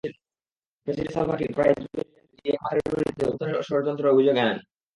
প্রেনিডেন্ট Salva Kiir vice president Riek মাচারের বিরুদ্ধে অভ্যুত্থানের ষড়যন্ত্রের অভিযোগ আনেন।